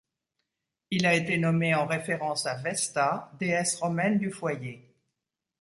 Il a été nommé en référence à Vesta, déesse romaine du foyer.